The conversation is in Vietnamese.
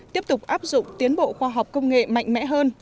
tiếp tục áp dụng tiến bộ khoa học công nghệ mạnh mẽ hơn